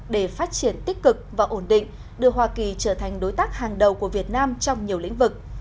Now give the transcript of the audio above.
để phát triển tích cực và ổn định đưa hoa kỳ trở thành đối tác hàng đầu của việt nam trong nhiều lĩnh vực